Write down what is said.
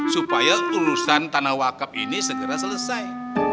supaya urusan tanah wakaf ini segera selesai